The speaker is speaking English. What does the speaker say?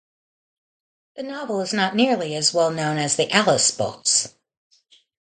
The novel is not nearly as well known as the "Alice" books.